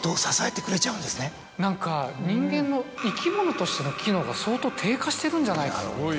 何か人間の生き物としての機能が相当低下してるんじゃないかって。